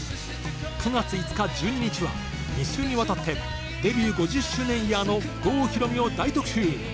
９月５日・１２日は２週にわたってデビュー５０周年イヤーの郷ひろみを大特集！